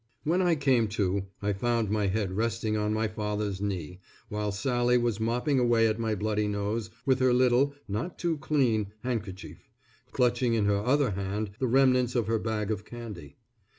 When I came to, I found my head resting on my father's knee, while Sally was mopping away at my bloody nose with her little, and not too clean, handkerchief, clutching in her other hand the remnants of her bag of candy.